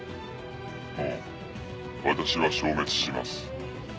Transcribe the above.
もう私は消滅します。